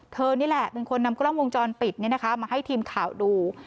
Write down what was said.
เธอนี่แหละเป็นคนนำกล้องวงจรปิดเนี่ยนะคะมาให้ทีมข่าวดู